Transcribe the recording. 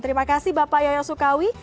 terima kasih bapak yoyo sukawi